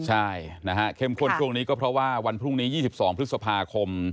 ใช่นะฮะเข้มข้นช่วงนี้ก็เพราะว่าวันพรุ่งนี้๒๒พฤษภาคม